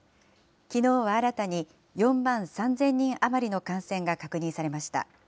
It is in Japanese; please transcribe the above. きのうは新たに４万３０００人余りの感染が確認されました。